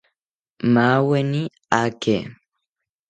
Maaweni aake